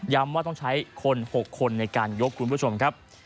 ว่าต้องใช้คน๖คนในการยกคุณผู้ชมครับ